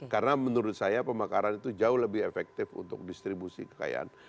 karena menurut saya pemekaran itu jauh lebih efektif untuk distribusi kekayaan